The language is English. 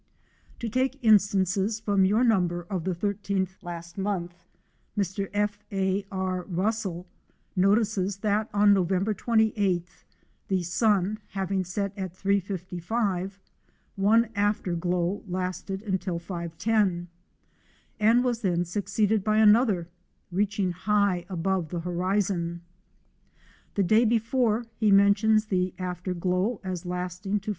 To take instances from your number of the'l3th ult., Mr. F. A. R. Russell notices that on November 2Sth, the sun having set at 3.55, one after glow lasted till 5.10, and was then succeeded by another " reaching high above the horizon." The day before he mentions the after glow as lasting to 5.